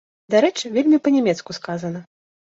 Дарэчы, вельмі па-нямецку сказана.